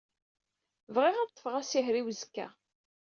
Bɣiɣ ad ḍḍfeɣ asihaṛ i uzekka.